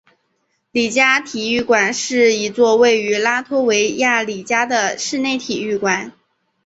里加体育馆是一座位于拉脱维亚里加的室内体育馆。